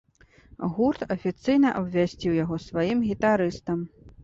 Гурт афіцыйна абвясціў яго сваім гітарыстам.